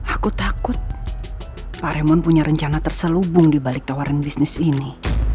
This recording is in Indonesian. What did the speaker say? aku takut pak raymond punya rencana terselubung dibalik tawaran bisnis ini